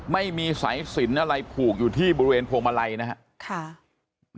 ไม่มีสายสินอะไรผูกอยู่ที่บริเวณพวงมาลัยนะครับ